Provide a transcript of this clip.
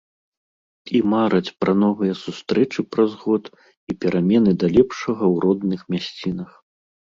І мараць пра новыя сустрэчы праз год і перамены да лепшага ў родных мясцінах.